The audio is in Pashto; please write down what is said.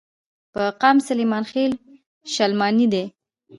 پۀ قام سليمان خيل، شلمانے دے ۔